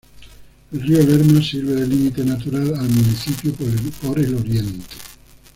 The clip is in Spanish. El río Lerma sirve de límite natural al municipio por el oriente.